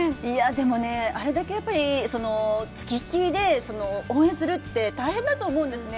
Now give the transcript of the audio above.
あれだけ付きっきりで応援するって大変だと思うんですよね。